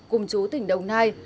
cùng chú tỉnh đồng nai